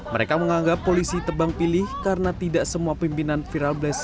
mereka menganggap polisi tebang pilih karena tidak semua pimpinan viral bless